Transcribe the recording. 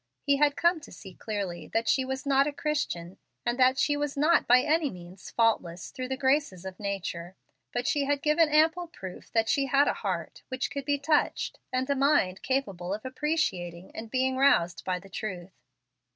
He had come to see clearly that she was not a Christian, and that she was not by any means faultless through the graces of nature. But she had given ample proof that she had a heart which could be touched, and a mind capable of appreciating and being roused by the truth.